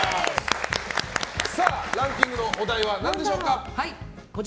ランキングのお題は何でしょうか。